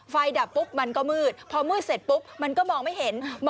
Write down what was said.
ดับปุ๊บมันก็มืดพอมืดเสร็จปุ๊บมันก็มองไม่เห็น